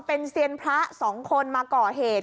เป็นเซียนพระ๒คนมาก่อเหตุ